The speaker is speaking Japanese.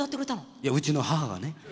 いやうちの母がね。